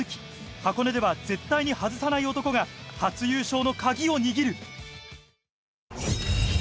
箱根では絶対に外さない男が初優勝のカギを握る。